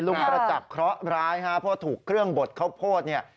ประจักษ์เคราะห์ร้ายฮะเพราะถูกเครื่องบดข้าวโพดเนี่ย